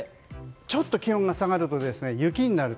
ちょっと位置がずれると雪になると。